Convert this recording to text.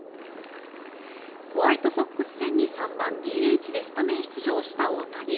ホワイトソックス戦に３番ＤＨでスタメン出場した大谷。